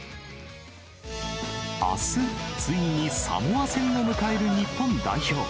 あす、ついにサモア戦を迎える日本代表。